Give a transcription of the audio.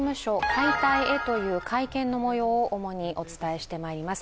解体へという会見のもようを主にお伝えしてまいります。